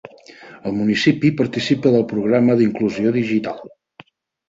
El municipi participa del programa d'inclusió digital.